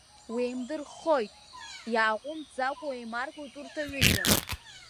Уеимдырххоит, иааҟәымҵӡакәа уеимаркуеит урҭ аҩыџьа.